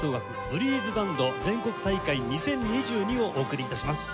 ブリーズバンド全国大会２０２２」をお送り致します。